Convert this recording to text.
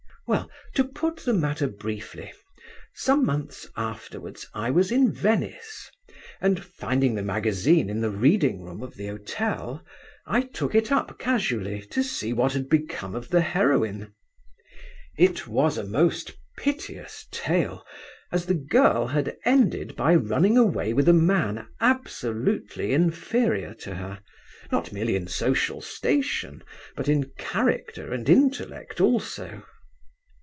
Well, to put the matter briefly, some months afterwards I was in Venice, and finding the magazine in the reading room of the hotel, I took it up casually to see what had become of the heroine. It was a most piteous tale, as the girl had ended by running away with a man absolutely inferior to her, not merely in social station, but in character and intellect also.